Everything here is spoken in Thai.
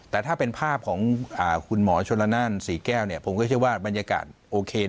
แต่ถ้าเป็นภาพของคุณหมอชนละนั่นศรีแก้วผมก็เชื่อว่าบรรยากาศโอเค